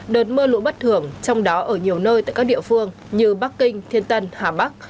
đợt mưa lũ bất thường trong đó ở nhiều nơi tại các địa phương như bắc kinh thiên tân hà bắc